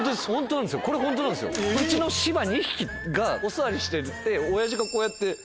うちの柴２匹がお座りしてて。